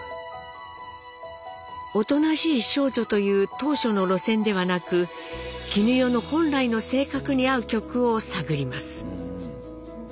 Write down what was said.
「おとなしい少女」という当初の路線ではなく絹代の本来の性格に合う曲を探ります。